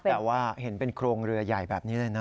แต่ว่าเห็นเป็นโครงเรือใหญ่แบบนี้เลยนะ